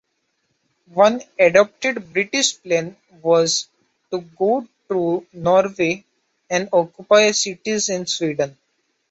One adopted British plan was to go through Norway and occupy cities in Sweden.